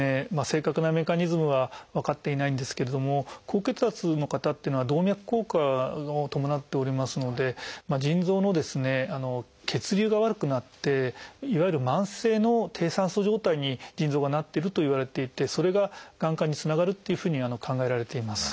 正確なメカニズムは分かっていないんですけれども高血圧の方というのは動脈硬化を伴っておりますので腎臓の血流が悪くなっていわゆる慢性の低酸素状態に腎臓がなってるといわれていてそれががん化につながるというふうに考えられています。